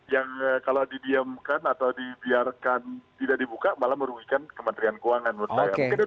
yang kalau didiamkan atau dibiarkan tidak dibuka malah merugikan kementerian keuangan menurut saya